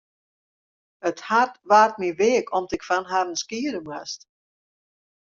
It hart waard my weak om't ik fan harren skiede moast.